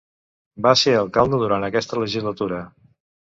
Va ser alcalde durant aquesta legislatura.